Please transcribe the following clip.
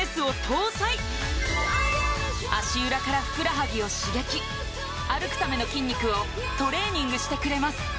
足裏からふくらはぎを刺激歩くための筋肉をトレーニングしてくれます